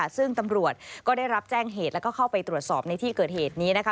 ซึ่งตำรวจก็ได้รับแจ้งเหตุแล้วก็เข้าไปตรวจสอบในที่เกิดเหตุนี้นะคะ